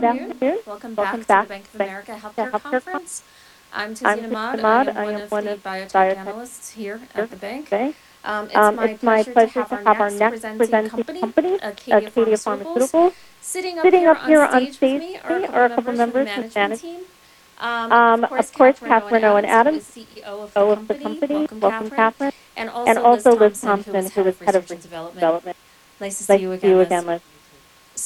Good afternoon. Welcome back to the Bank of America Global Healthcare Conference. I'm Tazeen Ahmad, one of the biotech analysts here at the bank. It's my pleasure to have our next presenting company, Acadia Pharmaceuticals. Sitting up here on stage with me are a couple members from the management team. Of course, Catherine Owen Adams, who is CEO of the company. Welcome, Catherine. Also Liz Thompson, who is Head of Research and Development. Nice to see you again, Liz.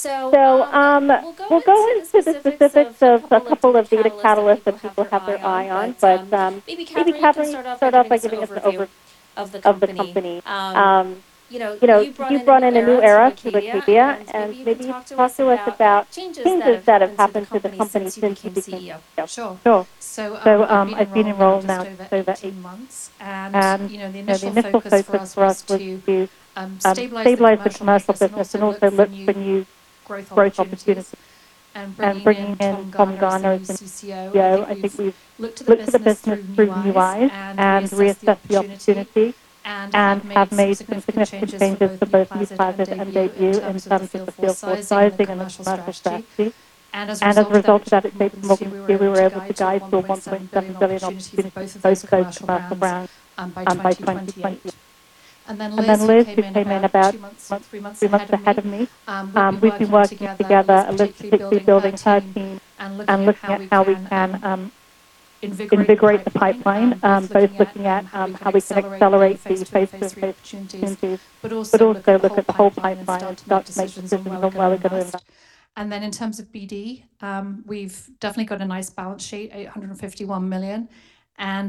We'll go into the specifics of a couple of data catalysts that people have their eye on, but maybe Catherine can start off by giving us an overview of the company. You know, you brought in a new era to Acadia, and maybe talk to us about changes that have happened to the company since you became CEO. Sure. I've been in role now just over 18 months, and, you know, the initial focus for us was to stabilize the commercial business and also look for new growth opportunities. Bringing in Thomas Garner as the CCO, I think we've looked at the business through new eyes and reassessed the opportunity, and have made some significant changes to both NUPLAZID and DAYBUE in terms of the field force sizing and the commercial strategy. As a result of that improved marketing, we were able to guide to almost a $1 billion opportunity for both commercial brands by 2028. Liz, who came in about two months, three months ahead of me, we've been working together particularly building her team and looking at how we can invigorate the pipeline, both looking at how we can accelerate the phase II to phase III opportunities, but also look at the whole pipeline and start to make decisions on where we're going to invest. In terms of BD, we've definitely got a nice balance sheet, $851 million, no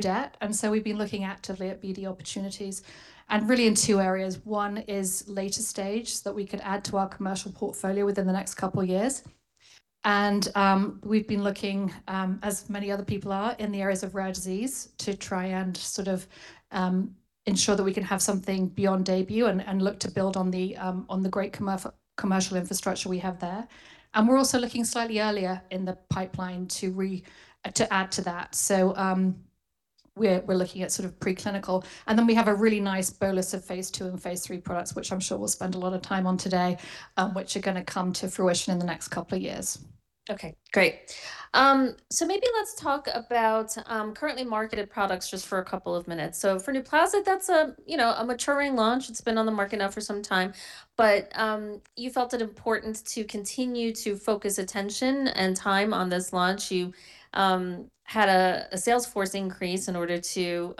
debt. We've been looking out of it the opportunities and in really two areas, one is later stage that we could add to our commercial portfolio within the next couple of years. We've been looking, as many other people are, in the areas of rare disease to try and sort of ensure that we can have something beyond DAYBUE and look to build on the great commercial infrastructure we have there. We're also looking slightly earlier in the pipeline to add to that. We're looking at sort of, pre-clinical. We really have a nice bonus of phase II, phase III trials which I'm sure we're going to spend time today which are gonna come into fruition in the next couple of years. Okay, great. Maybe let's talk about currently marketed products just for a couple of minutes. For NUPLAZID, that's a, you know, a maturing launch. It's been on the market now for some time, but you felt it important to continue to focus attention and time on this launch. You had a sales force increase in order to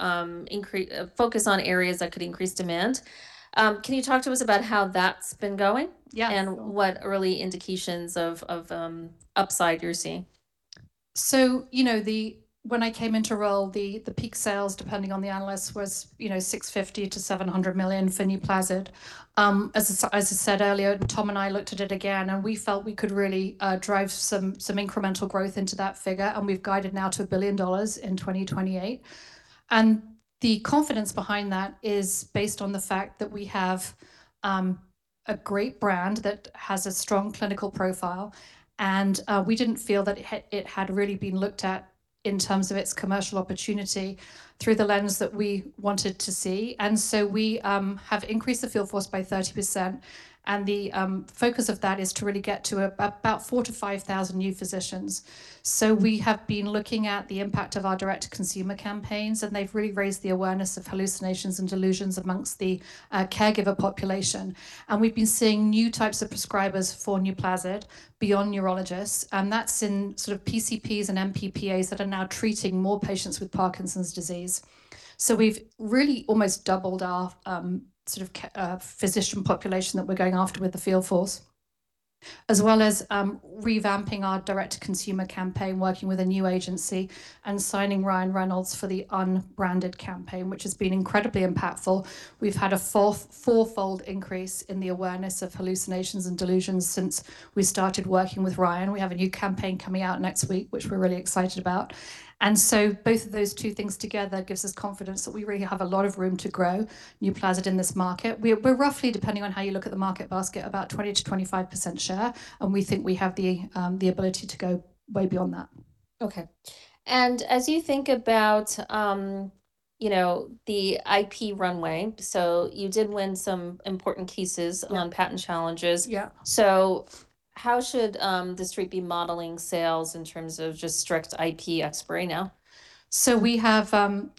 focus on areas that could increase demand. Can you talk to us about how that's been going? Yeah. What early indications of upside you're seeing. You know, when I came into role, the peak sales, depending on the analyst, was, you know, $650 million-$700 million for NUPLAZID. As I said earlier, Tom and I looked at it again, and we felt we could really drive some incremental growth into that figure, and we've guided now to $1 billion in 2028. The confidence behind that is based on the fact that we have a great brand that has a strong clinical profile, and we didn't feel that it had really been looked at in terms of its commercial opportunity through the lens that we wanted to see. We have increased the field force by 30%, and the focus of that is to really get to about 4,000-5,000 new physicians. We have been looking at the impact of our direct-to-consumer campaigns, and they've really raised the awareness of hallucinations and delusions amongst the caregiver population. We've been seeing new types of prescribers for NUPLAZID beyond neurologists, and that's in sort of PCPs and NPs and PAs that are now treating more patients with Parkinson's disease. We've really almost doubled our physician population that we're going after with the field force, as well as revamping our direct-to-consumer campaign, working with a new agency, and signing Ryan Reynolds for the unbranded campaign, which has been incredibly impactful. We've had a fourfold increase in the awareness of hallucinations and delusions since we started working with Ryan. We have a new campaign coming out next week, which we're really excited about. Both of those two things together gives us confidence that we really have a lot of room to grow NUPLAZID in this market. We're roughly, depending on how you look at the market basket, about 20%-25% share, and we think we have the ability to go way beyond that. Okay. As you think about, you know, the IP runway, so you did win some important cases on patent challenges. Yeah. How should The Street be modeling sales in terms of just strict IP expiry now? We have,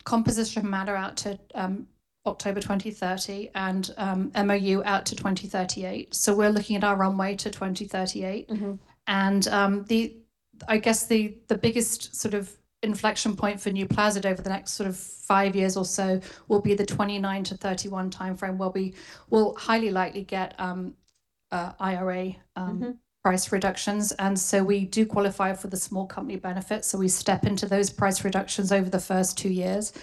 composition of matter out to, October 2030, and, MoU out to 2038. We're looking at our runway to 2038. The biggest inflection point for NUPLAZID over the next five years or so will be the 2029 to 2031 timeframe, where we will highly likely get IRA price reductions. We do qualify for the small company benefit, so we step into those price reductions over the first two years.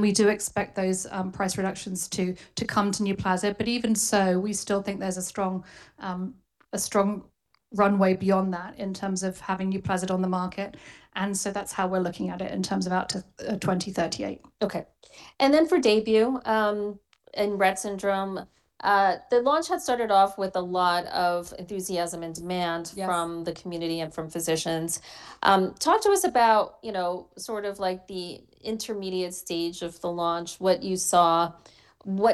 We do expect those price reductions to come to NUPLAZID. Even so, we still think there's a strong runway beyond that in terms of having NUPLAZID on the market. That's how we're looking at it in terms of out to 2038. Okay. For DAYBUE and Rett syndrome, the launch had started off with a lot of enthusiasm and demand. Yeah. from the community and from physicians. Talk to us about, you know, sort of like the intermediate stage of the launch, what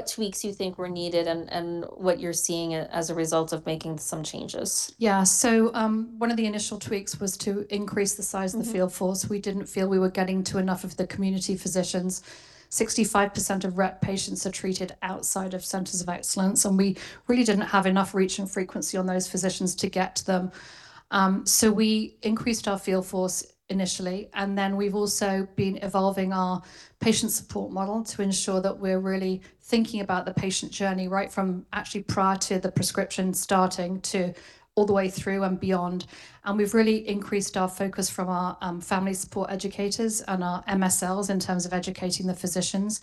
tweaks you think were needed and what you're seeing as a result of making some changes? One of the initial tweaks was to increase the size of the field force. We didn't feel we were getting to enough of the community physicians. 65% of Rett patients are treated outside of centers of excellence, and we really didn't have enough reach and frequency on those physicians to get to them. We increased our field force initially, and then we've also been evolving our patient support model to ensure that we're really thinking about the patient journey right from actually prior to the prescription starting to all the way through and beyond. We've really increased our focus from our family support educators and our MSLs in terms of educating the physicians.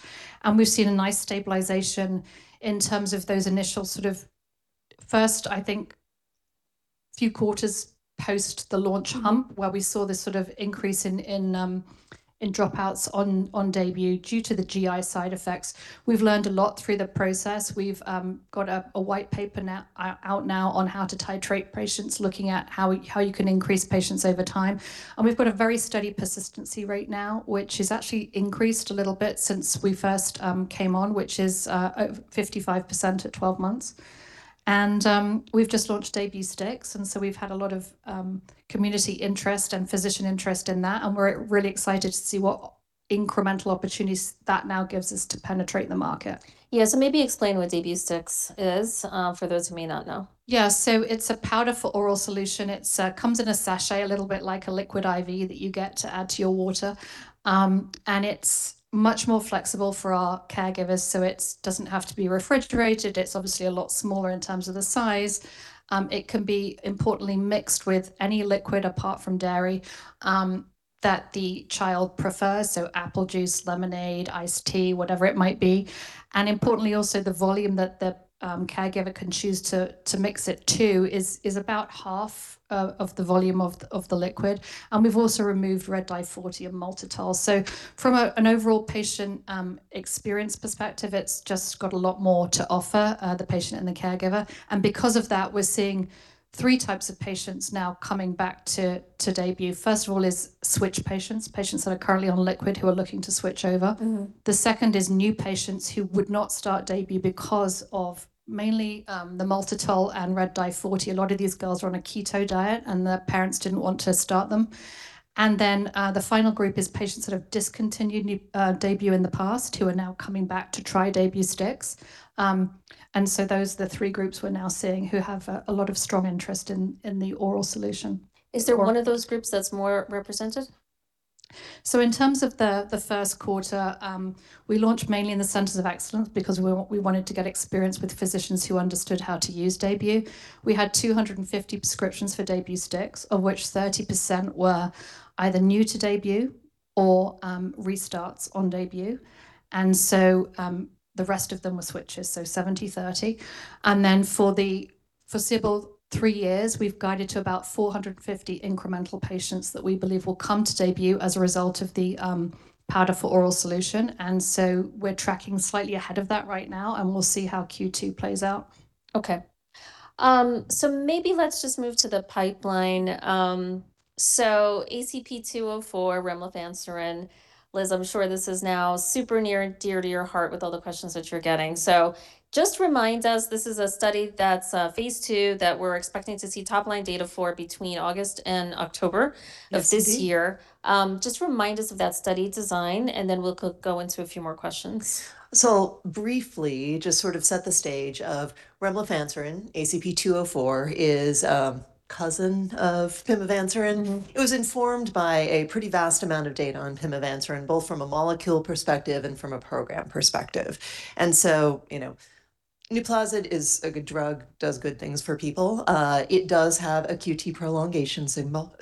We've seen a nice stabilization in terms of those initial sort of first, I think, few quarters post the launch hump. Where we saw this sort of increase in dropouts on DAYBUE due to the GI side effects. We've learned a lot through the process. We've got a white paper now out on how to titrate patients, looking at how you can increase patients over time. We've got a very steady persistency rate now, which has actually increased a little bit since we first came on, which is 55% at 12 months. We've just launched DAYBUE STIX, we've had a lot of community interest and physician interest in that, we're really excited to see what incremental opportunities that now gives us to penetrate the market. Yeah, maybe explain what DAYBUE STIX is for those who may not know. Yeah. It's a powder for oral solution. It comes in a sachet a little bit like a Liquid I.V. that you get to add to your water. It's much more flexible for our caregivers, so it doesn't have to be refrigerated. It's obviously a lot smaller in terms of the size. It can be importantly mixed with any liquid apart from dairy that the child prefers, so apple juice, lemonade, iced tea, whatever it might be. Importantly, also the volume that the caregiver can choose to mix it to is about half of the volume of the liquid. We've also removed Red Dye 40 and maltitol. From an overall patient experience perspective, it's just got a lot more to offer the patient and the caregiver. Because of that, we're seeing three types of patients now coming back to DAYBUE. First of all is switch patients that are currently on liquid who are looking to switch over. The second is new patients who would not start DAYBUE because of mainly, the maltitol and Red Dye 40. A lot of these girls are on a keto diet, the parents didn't want to start them. The final group is patients that have discontinued DAYBUE in the past who are now coming back to try DAYBUE STIX. Those are the three groups we're now seeing who have a lot of strong interest in the oral solution. Is there one of those groups that's more represented? In terms of the first quarter, we launched mainly in the centers of excellence because we wanted to get experience with physicians who understood how to use DAYBUE. We had 250 prescriptions for DAYBUE STIX, of which 30% were either new to DAYBUE or restarts on DAYBUE. The rest of them were switchers, so 70-30. For [sybil, three years, we've guided to about 450 incremental patients that we believe will come to DAYBUE as a result of the powder for oral solution. We're tracking slightly ahead of that right now, and we'll see how Q2 plays out. Okay. Maybe let's just move to the pipeline. ACP-204, remlifanserin, Liz, I'm sure this is now super near and dear to your heart with all the questions that you're getting. Just remind us, this is a study that's phase II that we're expecting to see top-line data for between August and October of this year. Just remind us of that study design, and then we'll go into a few more questions. Briefly, just sort of set the stage of remlifanserin, ACP-204 is a cousin of pimavanserin. It was informed by a pretty vast amount of data on pimavanserin, both from a molecule perspective and from a program perspective. You know, NUPLAZID is a good drug, does good things for people. It does have a QT prolongation signal.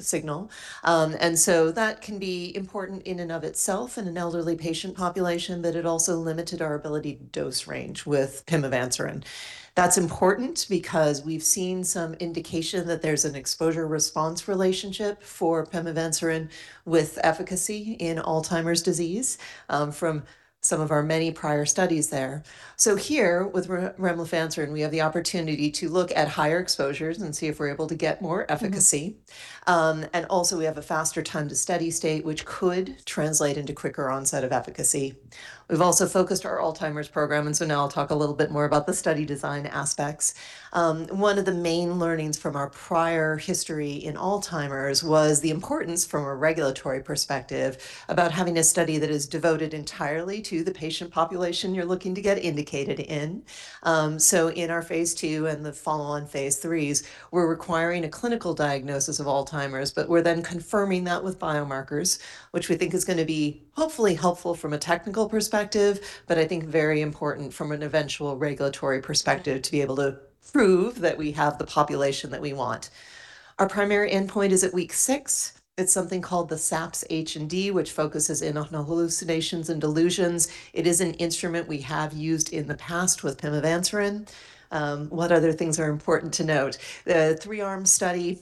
That can be important in and of itself in an elderly patient population, but it also limited our ability dose range with pimavanserin. That's important because we've seen some indication that there's an exposure-response relationship for pimavanserin with efficacy in Alzheimer's disease from some of our many prior studies there. Here with remlifanserin, we have the opportunity to look at higher exposures and see if we're able to get more efficacy. Also we have a faster time to steady state, which could translate into quicker onset of efficacy. We've also focused our Alzheimer's program, now I'll talk a little bit more about the study design aspects. One of the main learnings from our prior history in Alzheimer's was the importance from a regulatory perspective about having a study that is devoted entirely to the patient population you're looking to get indicated in. In our phase II and the follow-on phase IIIs, we're requiring a clinical diagnosis of Alzheimer's, but we're then confirming that with biomarkers, which we think is gonna be hopefully helpful from a technical perspective, but I think very important from an eventual regulatory perspective to be able to prove that we have the population that we want. Our primary endpoint is at week six. It's something called the SAPS-H+D, which focuses in on hallucinations and delusions. It is an instrument we have used in the past with pimavanserin. What other things are important to note? The three-arm study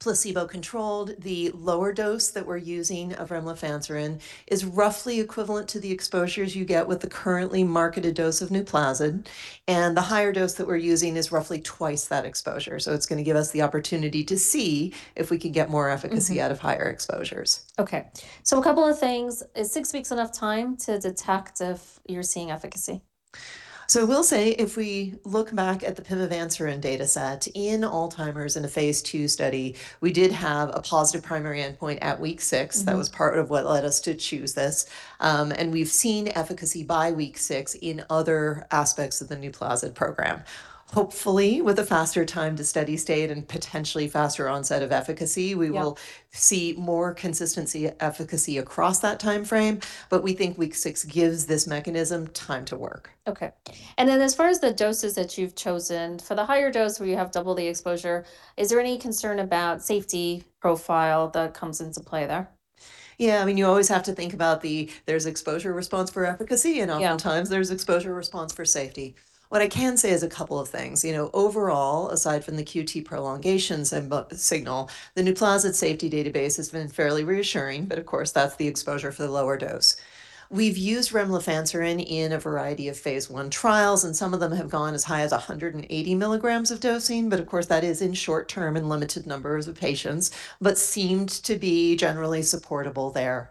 placebo-controlled, the lower dose that we're using of remlifanserin is roughly equivalent to the exposures you get with the currently marketed dose of NUPLAZID, and the higher dose that we're using is roughly twice that exposure. It's gonna give us the opportunity to see if we can get more efficacy out of higher exposures. Okay. A couple of things. Is six weeks enough time to detect if you're seeing efficacy? I will say, if we look back at the pimavanserin dataset, in Alzheimer's in a phase II study, we did have a positive primary endpoint at week six. That was part of what led us to choose this. We've seen efficacy by week six in other aspects of the NUPLAZID program. Hopefully, with a faster time to steady state and potentially faster onset of efficacy, we will see more consistency efficacy across that timeframe, but we think week six gives this mechanism time to work. Okay. As far as the doses that you've chosen, for the higher dose where you have double the exposure, is there any concern about safety profile that comes into play there? Yeah, I mean, you always have to think about the, there's exposure response for efficacy in. There's exposure response for safety. What I can say is a couple of things. You know, overall, aside from the QT prolongations and signal, the NUPLAZID safety database has been fairly reassuring, but of course, that's the exposure for the lower dose. We've used remlifanserin in a variety of phase I trials, and some of them have gone as high as 180 mg of dosing, but of course, that is in short-term and limited numbers of patients, but seemed to be generally supportable there.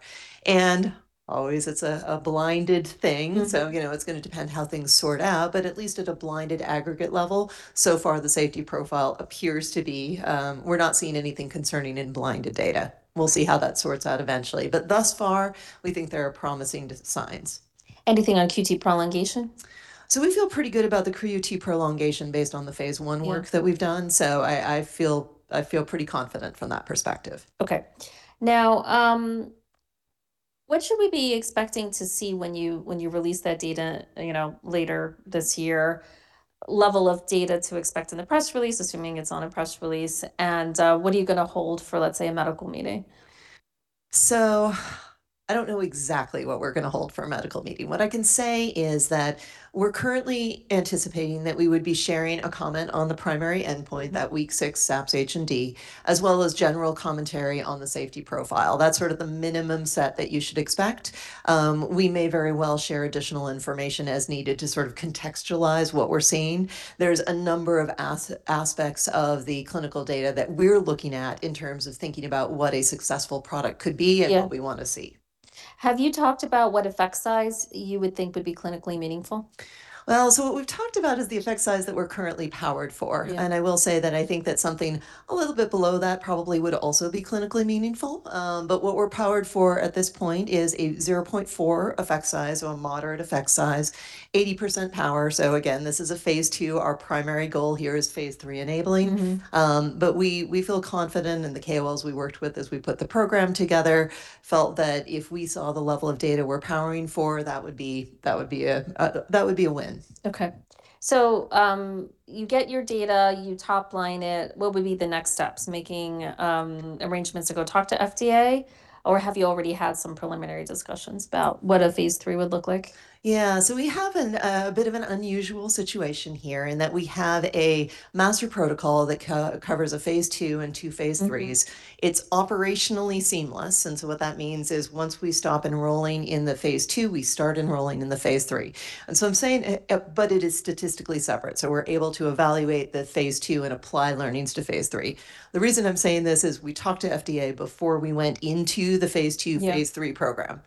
Always it's a blinded thing. You know, it's gonna depend how things sort out, but at least at a blinded aggregate level, so far the safety profile appears to be, we're not seeing anything concerning in blinded data. We'll see how that sorts out eventually. Thus far, we think there are promising signs. Anything on QT prolongation? We feel pretty good about the QT prolongation based on the phase I work that we've done. I feel pretty confident from that perspective. Okay. Now, what should we be expecting to see when you release that data, you know, later this year, level of data to expect in the press release, assuming it's on a press release, and what are you gonna hold for, let's say, a medical meeting? I don't know exactly what we're going to hold for a medical meeting. What I can say is that we're currently anticipating that we would be sharing a comment on the primary endpoint, that week six SAPS-H+D, as well as general commentary on the safety profile. That's sort of the minimum set that you should expect. We may very well share additional information as needed to sort of contextualize what we're seeing. There's a number of aspects of the clinical data that we're looking at in terms of thinking about what a successful product could be and what we wanna see. Have you talked about what effect size you would think would be clinically meaningful? Well, what we've talked about is the effect size that we're currently powered for. I will say that I think that something a little bit below that probably would also be clinically meaningful. What we're powered for at this point is a 0.4 effect size or a moderate effect size, 80% power. Again, this is a phase II. Our primary goal here is phase III-enabling. We feel confident in the KOLs we worked with as we put the program together, felt that if we saw the level of data we're powering for, that would be a win. Okay. You get your data, you top line it. What would be the next steps? Making arrangements to go talk to FDA, or have you already had some preliminary discussions about what a phase III would look like? Yeah. We have a bit of an unusual situation here in that we have a master protocol that covers a phase II and two phase IIIs. It's operationally seamless. What that means is once we stop enrolling in the phase II, we start enrolling in the phase III. I'm saying, but it is statistically separate, so we're able to evaluate the phase II and apply learnings to phase III. The reason I'm saying this is we talked to FDA before we went into the phase II, phase III program.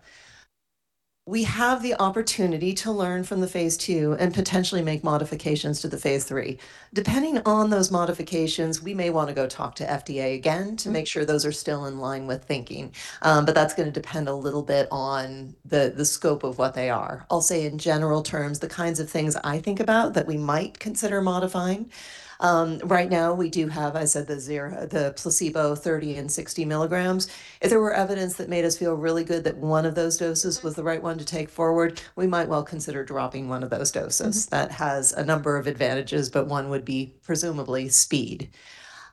We have the opportunity to learn from the phase II and potentially make modifications to the phase III. Depending on those modifications, we may want to go talk to FDA again to make sure those are still in line with thinking. That's gonna depend a little bit on the scope of what they are. I'll say in general terms, the kinds of things I think about that we might consider modifying, right now we do have, I said, the zero the placebo 30 mg and 60 mg. If there were evidence that made us feel really good that one of those doses was the right one to take forward, we might well consider dropping one of those doses. That has a number of advantages, but one would be presumably speed.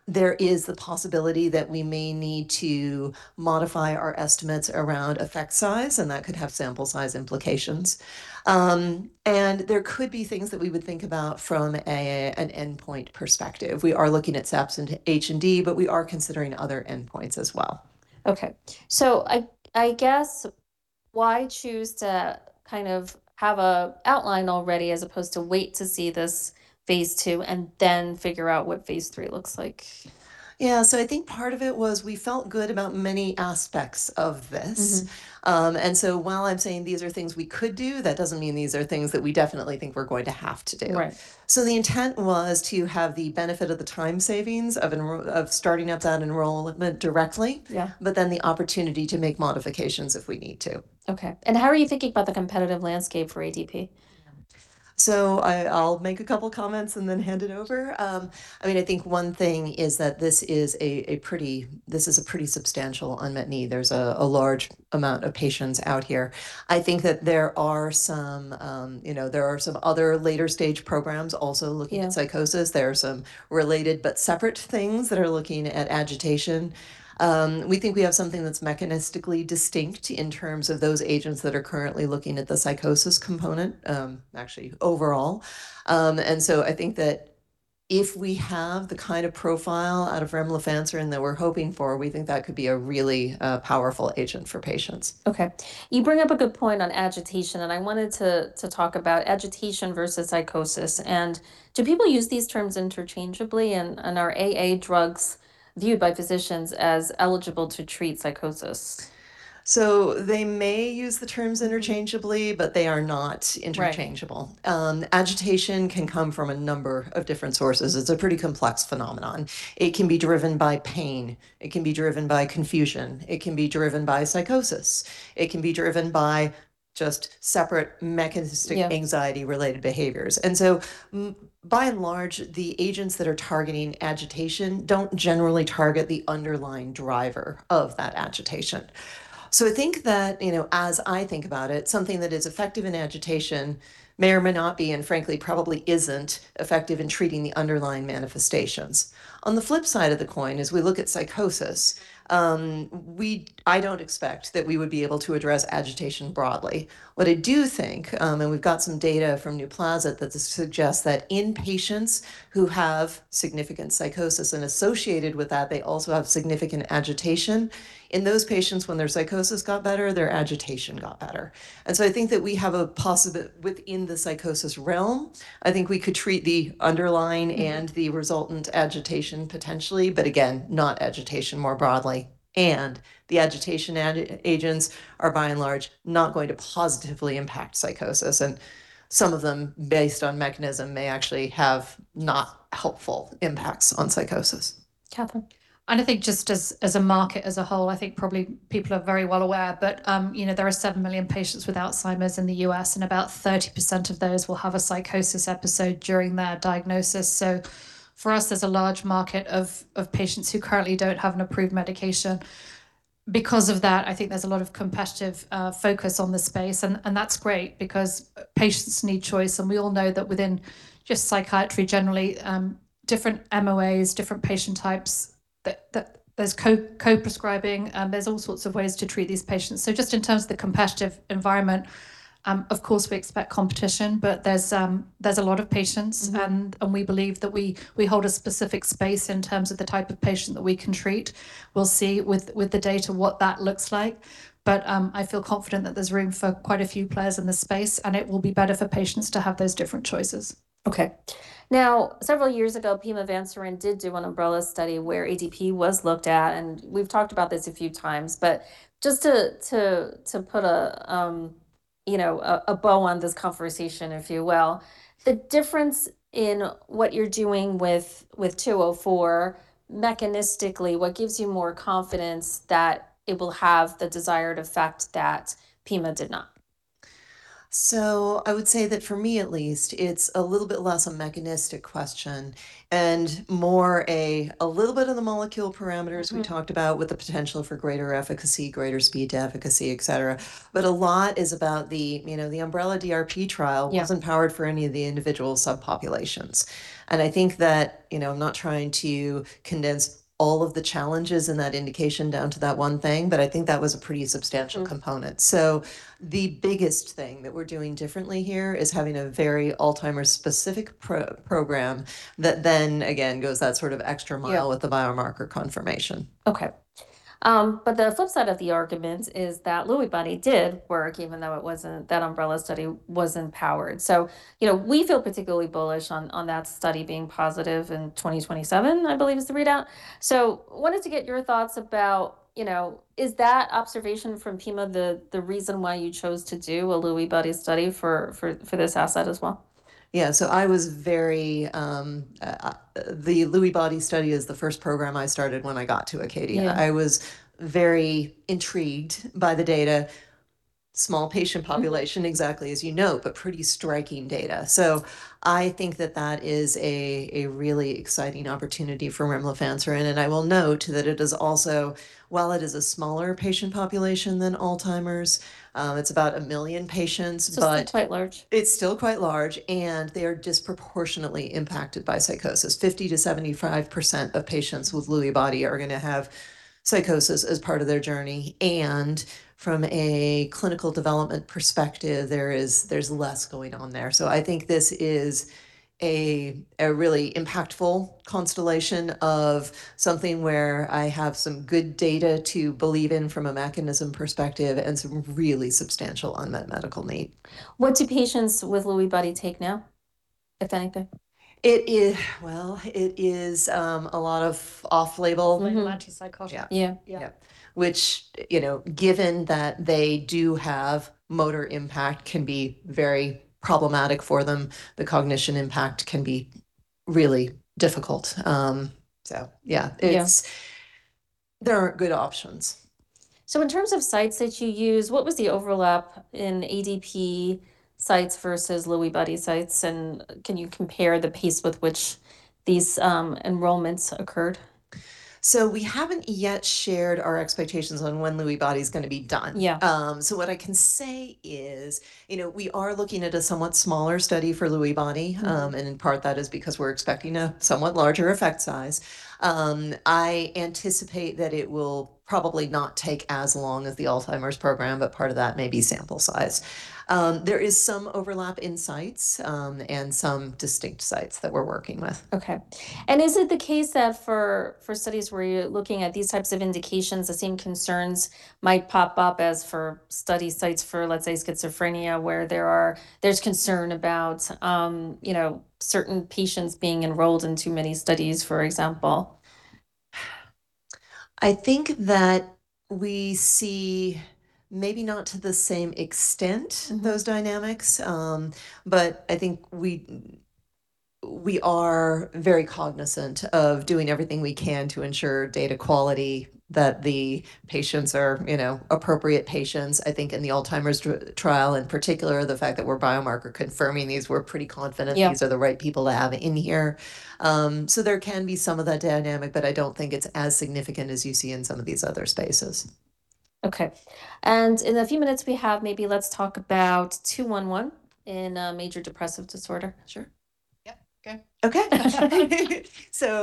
There is the possibility that we may need to modify our estimates around effect size, and that could have sample size implications. There could be things that we would think about from an endpoint perspective. We are looking at SAPS-H+D, but we are considering other endpoints as well. I guess why choose to kind of have a outline already as opposed to wait to see this phase II and then figure out what phase III looks like? Yeah. I think part of it was we felt good about many aspects of this. While I'm saying these are things we could do, that doesn't mean these are things that we definitely think we're going to have to do. Right. The intent was to have the benefit of the time savings of starting up that enrollment directly, but then the opportunity to make modifications if we need to. Okay. How are you thinking about the competitive landscape for ADP? I'll make a couple comments and then hand it over. I mean, I think one thing is that this is a pretty substantial unmet need. There's a large amount of patients out here. I think that there are some, you know, there are some other later stage programs also at psychosis. There are some related but separate things that are looking at agitation. We think we have something that's mechanistically distinct in terms of those agents that are currently looking at the psychosis component, actually overall. I think that if we have the kind of profile out of remlifanserin that we're hoping for, we think that could be a really powerful agent for patients. Okay. You bring up a good point on agitation, and I wanted to talk about agitation versus psychosis. Do people use these terms interchangeably and are antipsychotic drugs viewed by physicians as eligible to treat psychosis? They may use the terms interchangeably, but they are not interchangeable. Right. Agitation can come from a number of different sources. It's a pretty complex phenomenon. It can be driven by pain. It can be driven by confusion. It can be driven by psychosis. It can be driven by just separate mechanistic anxiety-related behaviors. By and large, the agents that are targeting agitation don't generally target the underlying driver of that agitation. I think that, you know, as I think about it, something that is effective in agitation may or may not be, and frankly probably isn't, effective in treating the underlying manifestations. On the flip side of the coin, as we look at psychosis, we I don't expect that we would be able to address agitation broadly. What I do think, and we've got some data from NUPLAZID that this suggests that in patients who have significant psychosis, and associated with that they also have significant agitation, in those patients, when their psychosis got better, their agitation got better. I think that we have that within the psychosis realm, I think we could treat the underlying and the resultant agitation potentially, but again, not agitation more broadly. The agitation agents are by and large not going to positively impact psychosis, and some of them, based on mechanism, may actually have not helpful impacts on psychosis. Catherine? I think just as a market as a whole, I think probably people are very well aware, but, you know, there are 7 million patients with Alzheimer's in the U.S., and about 30% of those will have a psychosis episode during their diagnosis. For us, there's a large market of patients who currently don't have an approved medication. Because of that, I think there's a lot of competitive focus on the space and that's great because patients need choice, and we all know that within just psychiatry generally, different MOAs, different patient types, that there's co-prescribing, there's all sorts of ways to treat these patients. Just in terms of the competitive environment, of course we expect competition, but there's a lot of patients. We believe that we hold a specific space in terms of the type of patient that we can treat. We'll see with the data what that looks like. I feel confident that there's room for quite a few players in this space, and it will be better for patients to have those different choices. Okay. Now, several years ago, pimavanserin did do an umbrella study where ADP was looked at, and we've talked about this a few times. Just to put a, you know, a bow on this conversation, if you will, the difference in what you're doing with 204, mechanistically, what gives you more confidence that it will have the desired effect that pima did not? I would say that for me at least, it's a little bit less a mechanistic question and more a little bit of the molecule parameters we talked about with the potential for greater efficacy, greater speed to efficacy, et cetera. A lot is about the, you know, the umbrella DRP trial wasn't powered for any of the individual subpopulations. I think that, you know, I'm not trying to condense all of the challenges in that indication down to that one thing, but I think that was a pretty substantial component. The biggest thing that we're doing differently here is having a very Alzheimer's specific program that then, again, goes that sort of extra mile with the biomarker confirmation. Okay. The flip side of the argument is that Lewy body did work, even though that umbrella study wasn't powered. You know, we feel particularly bullish on that study being positive in 2027, I believe is the readout. Wanted to get your thoughts about, you know, is that observation from Pima the reason why you chose to do a Lewy body study for this asset as well? Yeah. The Lewy body study is the first program I started when I got to Acadia. Yeah. I was very intrigued by the data. Small patient population exactly as you know. Pretty striking data. I think that that is a really exciting opportunity for remlifanserin. I will note that it is also, while it is a smaller patient population than Alzheimer's, it's about a million patients. Still quite large. It's still quite large, and they are disproportionately impacted by psychosis. 50%-75% of patients with Lewy body are gonna have psychosis as part of their journey. From a clinical development perspective, there's less going on there. I think this is a really impactful constellation of something where I have some good data to believe in from a mechanism perspective and some really substantial unmet medical need. What do patients with Lewy body take now, if anything? It is a lot of off-label. Antipsychotic. Yeah. Yeah. Yeah. Which, you know, given that they do have motor impact, can be very problematic for them. The cognition impact can be really difficult. Yeah. Yeah. There aren't good options. In terms of sites that you use, what was the overlap in ADP sites versus Lewy body sites, and can you compare the pace with which these enrollments occurred? We haven't yet shared our expectations on when Lewy body's going to be done. Yeah. What I can say is, you know, we are looking at a somewhat smaller study for Lewy body. In part that is because we're expecting a somewhat larger effect size. I anticipate that it will probably not take as long as the Alzheimer's program, but part of that may be sample size. There is some overlap in sites, and some distinct sites that we're working with. Okay. Is it the case that for studies where you're looking at these types of indications, the same concerns might pop up as for study sites for, let's say, schizophrenia, where there's concern about, you know, certain patients being enrolled in too many studies, for example? I think that we see maybe not to the same extent those dynamics, but I think we are very cognizant of doing everything we can to ensure data quality, that the patients are, you know, appropriate patients. I think in the Alzheimer's trial in particular, the fact that we're biomarker confirming these, we're pretty confident these are the right people to have in here. There can be some of that dynamic, but I don't think it's as significant as you see in some of these other spaces. Okay. In the few minutes we have, maybe let's talk about 211 in major depressive disorder. Sure. Yep. Okay. Okay.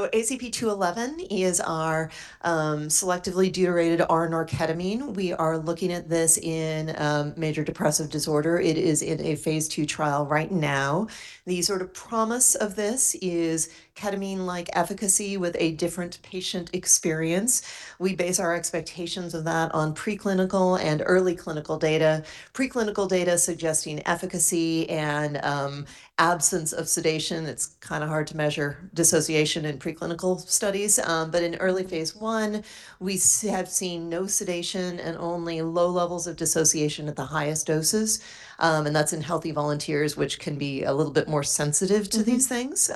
ACP-211 is our selectively deuterated R-ketamine. We are looking at this in major depressive disorder. It is in a phase II trial right now. The sort of promise of this is ketamine-like efficacy with a different patient experience. We base our expectations of that on preclinical and early clinical data. Preclinical data suggesting efficacy and absence of sedation. It's kind of hard to measure dissociation in preclinical studies. In early phase I, we have seen no sedation and only low levels of dissociation at the highest doses. That's in healthy volunteers, which can be a little bit more sensitive to these things.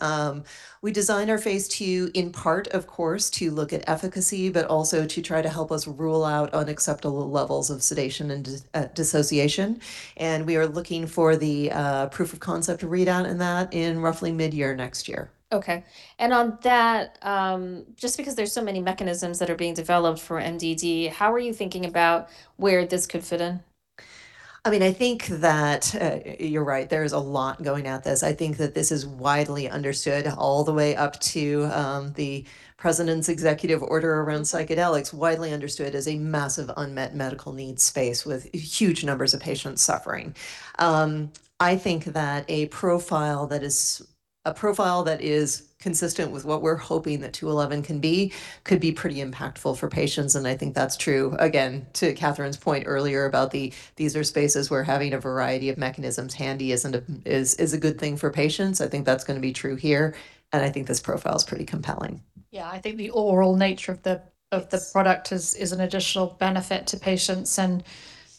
We design our phase II in part, of course, to look at efficacy, but also to try to help us rule out unacceptable levels of sedation and dissociation. We are looking for the proof of concept readout in that in roughly mid-year next year. Okay. On that, just because there's so many mechanisms that are being developed for MDD, how are you thinking about where this could fit in? I mean, I think that, you're right, there is a lot going at this. I think that this is widely understood all the way up to, the President's executive order around psychedelics, widely understood as a massive unmet medical need space with huge numbers of patients suffering. I think that a profile that is consistent with what we're hoping that 211 can be, could be pretty impactful for patients, and I think that's true, again, to Catherine's point earlier about the, these are spaces where having a variety of mechanisms handy is a good thing for patients. I think that's gonna be true here. I think this profile's pretty compelling. Yeah. I think the oral nature of the product is an additional benefit to patients.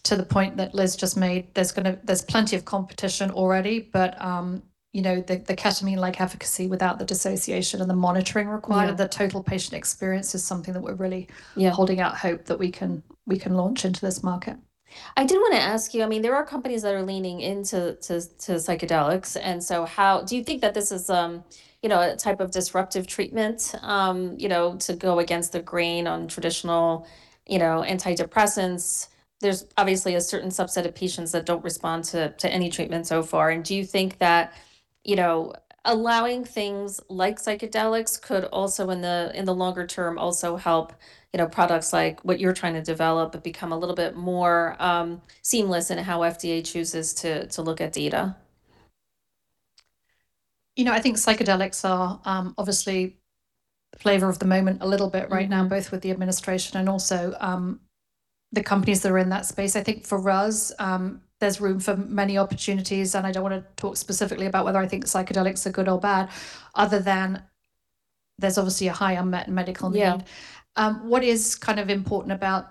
To the point that Liz just made, there's plenty of competition already. The ketamine-like efficacy without the dissociation of the monitoring requirement, the total patient experience is something that we're really holding out hope that we can launch into this market. I did wanna ask you, I mean, there are companies that are leaning into psychedelics, and so how do you think that this is, you know, a type of disruptive treatment, you know, to go against the grain on traditional, you know, antidepressants? There's obviously a certain subset of patients that don't respond to any treatment so far, and do you think that, you know, allowing things like psychedelics could also in the longer term also help, you know, products like what you're trying to develop become a little bit more seamless in how FDA chooses to look at data? You know, I think psychedelics are obviously the flavor of the moment a little bit right now, both with the administration and also, the companies that are in that space. I think for us, there's room for many opportunities, and I don't wanna talk specifically about whether I think psychedelics are good or bad, other than there's obviously a high unmet medical need. Yeah. What is kind of important about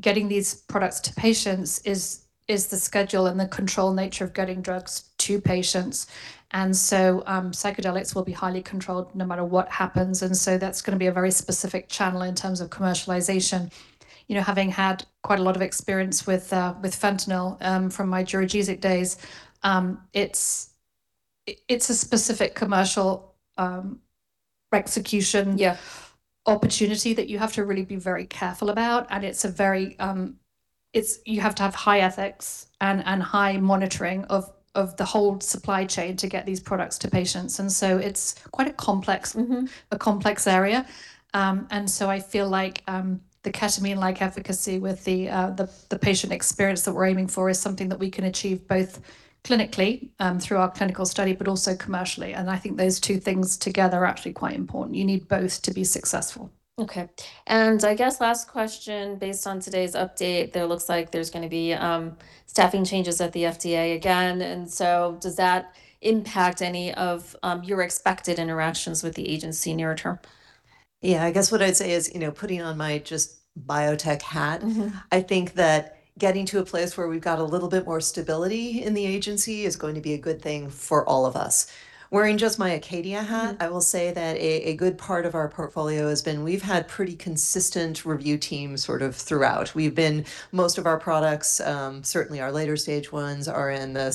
getting these products to patients is the schedule and the control nature of getting drugs to patients. Psychedelics will be highly controlled no matter what happens, and so that's gonna be a very specific channel in terms of commercialization. You know, having had quite a lot of experience with fentanyl, from my Duragesic days, it's a specific commercial execution opportunity that you have to really be very careful about. You have to have high ethics and high monitoring of the whole supply chain to get these products to patients. It's quite a complex- A complex area. I feel like the ketamine-like efficacy with the patient experience that we're aiming for is something that we can achieve both clinically, through our clinical study, but also commercially. I think those two things together are actually quite important. You need both to be successful. Okay. I guess last question, based on today's update, there looks like there's gonna be staffing changes at the FDA again. Does that impact any of your expected interactions with the agency near term? Yeah. I guess what I'd say is, you know, putting on my just biotech hat. I think that getting to a place where we've got a little bit more stability in the agency is going to be a good thing for all of us. Wearing just my Acadia hat. I will say that a good part of our portfolio has been we've had pretty consistent review teams sort of throughout. We've been, most of our products, certainly our later stage ones, are in the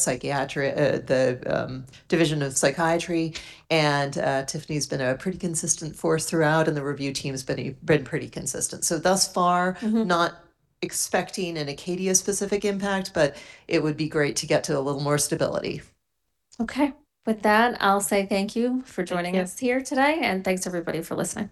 Division of Psychiatry, and Tiffany's been a pretty consistent force throughout, and the review team's been pretty consistent. Thus far, not expecting an Acadia specific impact, but it would be great to get to a little more stability. Okay. With that, I'll say thank you for joining us here today. Thanks everybody for listening.